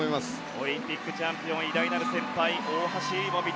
オリンピックチャンピオン偉大なる先輩